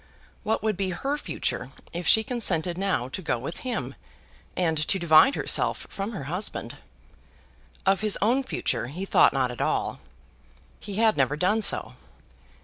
What would be her future if she consented now to go with him, and to divide herself from her husband? Of his own future he thought not at all. He had never done so.